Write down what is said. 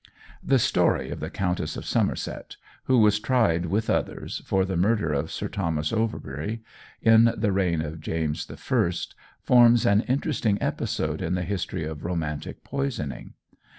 The story of the Countess of Somerset, who was tried with others for the murder of Sir Thomas Overbury in the reign of James I, forms an interesting episode in the history of romantic poisoning.